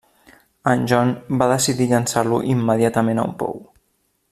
En John va decidir llançar-lo immediatament a un pou.